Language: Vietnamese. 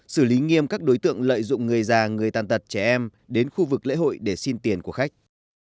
xử lý nghiêm các đối tượng lợi dụng người già người tàn tật trẻ em đến khu vực lễ hội để xin tiền của khách